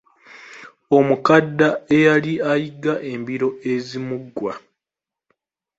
Omukadda eyali ayigga embiro ezimuggwa.